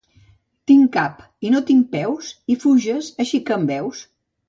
Tinc cap i no tinc peus, i fuges així que em veus.